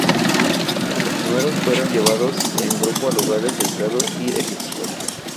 Los primeros fueron llevados en grupos a lugares aislados y ejecutados.